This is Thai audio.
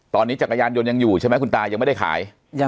ตอนนี้จักรยานยนต์ยังอยู่ใช่ไหมคุณตายังไม่ได้ขาย